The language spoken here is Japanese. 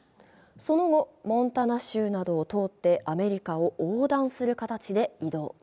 その後、モンタナ州などを通ってアメリカを横断する形で移動。